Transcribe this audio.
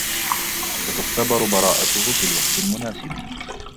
ستُختبر براءته في الوقت المناسب.